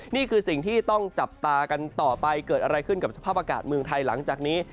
นี่คือสิ่งที่ต้องจับตากันต่อไปเกิดอะไรขึ้นกับสภาพอากาศเมืองไทยหลังจากนี้